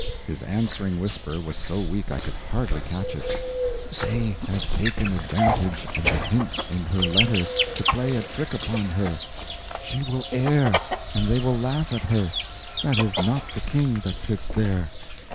His answering whisper was so weak I could hardly catch it: "They have taken advantage of the hint in her letter to play a trick upon her! She will err, and they will laugh at her. That is not the King that sits there."